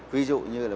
ví dụ như là